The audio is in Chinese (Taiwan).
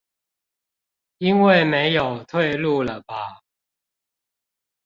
因為沒有退路了吧